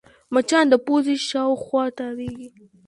مچان د پوزې شاوخوا تاوېږي